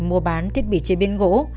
mua bán thiết bị chế biến gỗ